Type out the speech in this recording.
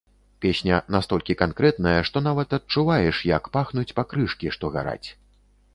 Песня настолькі канкрэтная, што нават адчуваеш, як пахнуць пакрышкі, што гараць.